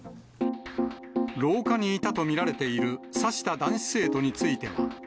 廊下にいたと見られている刺した男子生徒については。